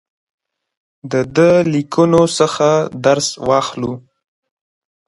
د ده له لیکنو څخه درس واخلو.